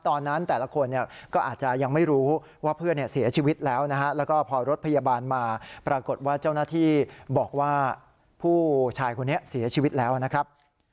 ตอนนั้นแต่ละคนเนี่ยก็อาจจะยังไม่รู้ว่าเพื่อนเสียชีวิตแล้วนะฮะแล้วก็พอรถพยาบาลมาปรากฏว่าเจ้าหน้าที่บอกว่าผู้ชายคนนี้เสียชีวิตแล้วนะครับ